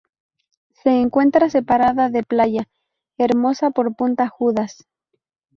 Se encuentra separada de Playa Hermosa por Punta Judas.